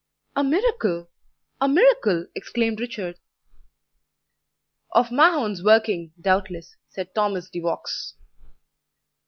"A miracle! a miracle!" exclaimed Richard. "Of Mahound's working, doubtless," said Thomas de Vaux.